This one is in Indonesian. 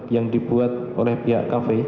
yang dibuat oleh pihak kafe